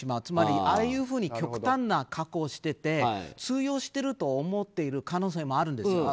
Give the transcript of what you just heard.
つまりああいうふうに極端な加工をしてて通用してると思っている可能性もあるんです。